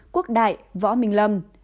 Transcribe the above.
quốc đại võ minh lâm